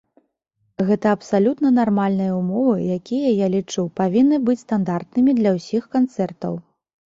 Гэта абсалютна нармальныя ўмовы, якія, я лічу, павінны быць стандартнымі для ўсіх канцэртаў.